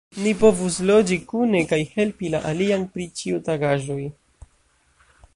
Ni povus loĝi kune kaj helpi la alian pri ĉiutagaĵoj.